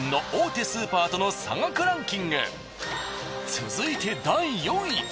続いて第４位。